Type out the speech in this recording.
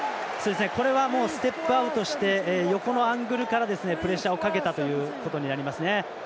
ステップアウトして横のアングルからプレッシャーをかけたということになります。